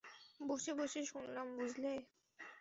বসে বসে শুনলাম, বুঝলে?